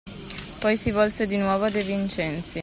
Poi si volse di nuovo a De Vincenzi.